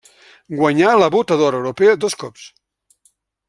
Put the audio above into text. Guanyà la Bota d'or europea dos cops.